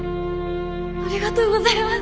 ありがとうございます。